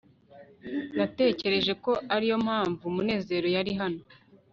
natekereje ko ariyo mpamvu munezero yari hano